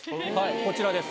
こちらです。